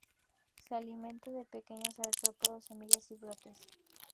Se alimenta de pequeños artrópodos, semillas y brotes.